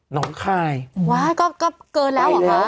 หว่าก็เกินแล้วหรอคะ